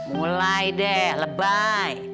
mulai deh lebay